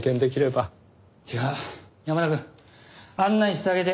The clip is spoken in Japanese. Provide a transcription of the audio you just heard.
じゃあ山田くん案内してあげて。